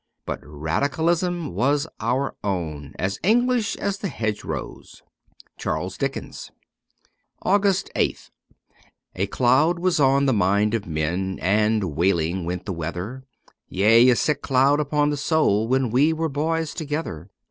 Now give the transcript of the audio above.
But Radicalism was our own ; as English as the hedge rows. ' Charles Dickens.' US X AUGUST 8th A CLOUD was on the mind of men, and wailing went the weather, Yea, a sick cloud upon the soul when we were boys together.